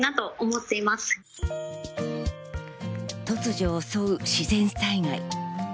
突如襲う自然災害。